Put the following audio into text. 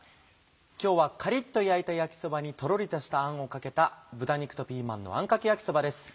今日はカリっと焼いた焼きそばにとろりとしたあんをかけた「豚肉とピーマンのあんかけ焼きそば」です。